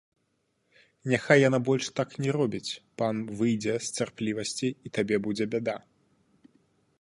Няхай яна больш так не робіць, пан выйдзе з цярплівасці, і табе будзе бяда.